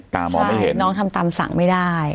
มองไม่เห็นน้องทำตามสั่งไม่ได้